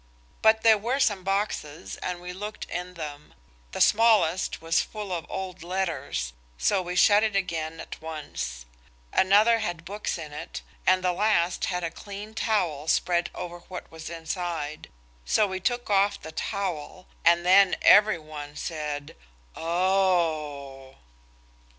But there were some boxes and we looked in them. The smallest was full of old letters, so we shut it again at once. Another had books in it, and the last had a clean towel spread over what was inside. So we took off the towel, and then every one said "Oh!"